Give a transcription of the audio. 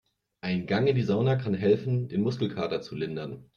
Ein Gang in die Sauna kann helfen, den Muskelkater zu lindern.